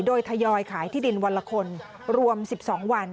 โดยทยอยขายที่ดินวันละคนรวม๑๒วัน